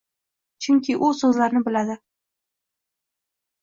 chunki u so‘zlarni biladi.